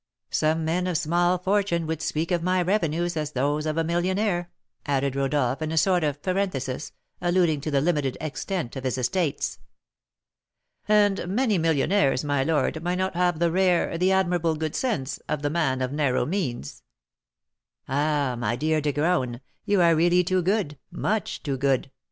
Some men of small fortune would speak of my revenues as those of a millionaire," added Rodolph, in a sort of parenthesis, alluding to the limited extent of his estates. "And many millionaires, my lord, might not have the rare, the admirable good sense, of the man of narrow means." "Ah, my dear De Graün, you are really too good, much too good!